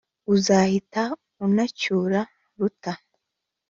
uzahita unacyura ruta